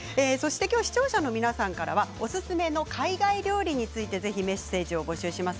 視聴者の皆さんからはおすすめの海外料理についてメッセージを募集します。